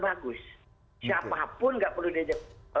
bagus siapapun nggak perlu diajak